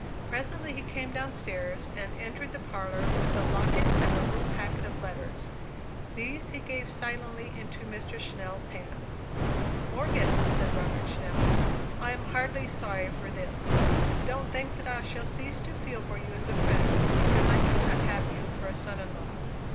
Presently he came downstairs, and entered the parlour with the locket and a little packet of letters. These he gave silently into Mr. Channell's hands. "Morgan," said Robert Channell, "I am heartily sorry for this. Don't think that I shall cease to feel for you as a friend, because I cannot have you for a son in law."